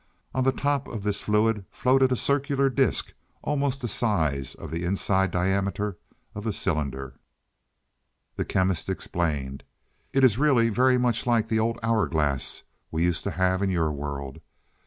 On the top of this fluid floated a circular disc almost the size of the inside diameter of the cylinder. The Chemist explained. "It really is very much like the old hour glass we used to have in your world.